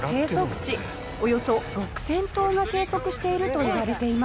およそ６０００頭が生息しているといわれています。